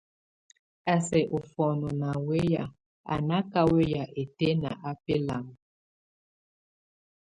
A sɛk ofɔnɔɔ ná weya, a náka weya ɛtɛ́n á belam.